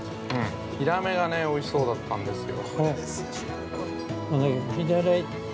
◆ヒラメがねおいしそうだったんですよ。